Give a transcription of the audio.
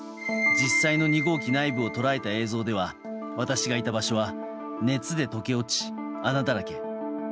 実際の２号機内部を捉えた映像では私がいた場所は、熱で溶け落ち穴だらけ。